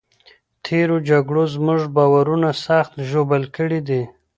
تېرو جګړو زموږ باورونه سخت ژوبل کړي دي.